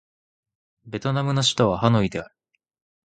ベトナムの首都はハノイである